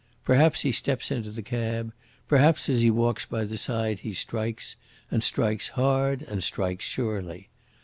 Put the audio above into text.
Perhaps he steps into the cab, perhaps as he walks by the side he strikes, and strikes hard and strikes surely.